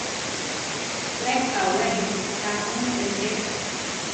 We kawélia ta mu réke.